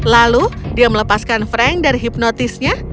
lalu dia melepaskan frank dari hipnotisnya